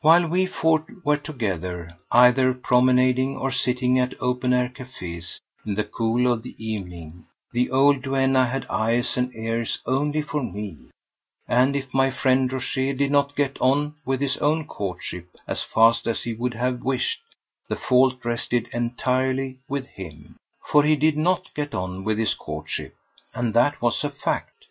While we four were together, either promenading or sitting at open air cafés in the cool of the evening, the old duenna had eyes and ears only for me, and if my friend Rochez did not get on with his own courtship as fast as he would have wished the fault rested entirely with him. For he did not get on with his courtship, and that was a fact.